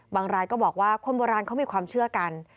รายก็บอกว่าคนโบราณเขามีความเชื่อกัน